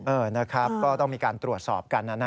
เออนะครับก็ต้องมีการตรวจสอบกันนะนะ